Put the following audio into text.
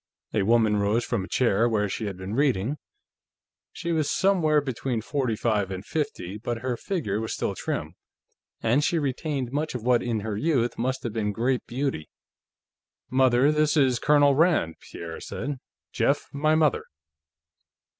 A woman rose from a chair where she had been reading. She was somewhere between forty five and fifty, but her figure was still trim, and she retained much of what, in her youth, must have been great beauty. "Mother, this is Colonel Rand," Pierre said. "Jeff, my mother."